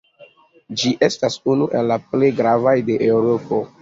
Ĝi estas unu el la plej gravaj de Eŭropo.